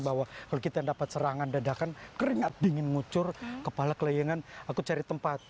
bahwa kalau kita dapat serangan dadakan keringat dingin ngucur kepala keleyan aku cari tempat